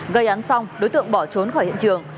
gây án xong đối tượng bỏ trốn khỏi hiện trường